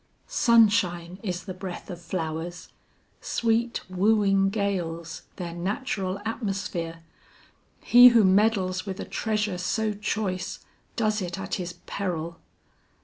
"Sunshine is the breath of flowers; sweet wooing gales, their natural atmosphere. He who meddles with a treasure so choice does it at his peril."